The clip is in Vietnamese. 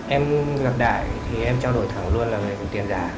em gặp đại thì em trao đổi thẳng luôn là mình tiền giả